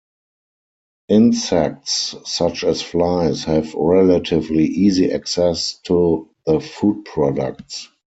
Insects such as flies have relatively easy access to the food products.